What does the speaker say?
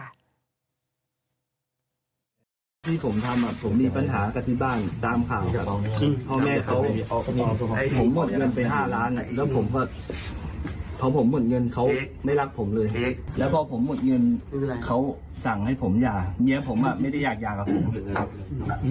แล้วพอผมหมดเงินเขาสั่งให้ผมยาเมียผมไม่ได้อยากยากกับผม